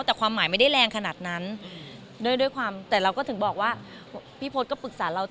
แต่ความหมายไม่ได้แรงขนาดนั้นด้วยความแต่เราก็ถึงบอกว่าพี่พศก็ปรึกษาเรา